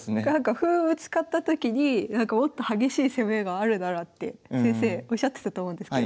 歩ぶつかったときにもっと激しい攻めがあるならって先生おっしゃってたと思うんですけど。